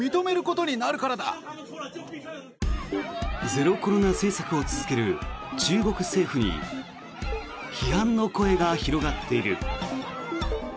ゼロコロナ政策を続ける中国政府に批判の声が広がっている。